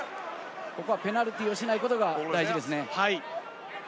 ここはペナルティーにしないことが大事ですね。